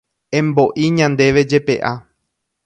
Embo'i ñandéve jepe'a.